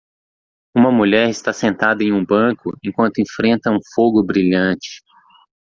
Uma mulher está sentada em um banco enquanto enfrenta um fogo brilhante.